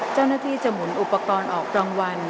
เจ้าหน้าที่จะหมุนอุปกรณ์ออกรางวัล